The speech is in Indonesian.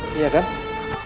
apaan sih aku mau pulang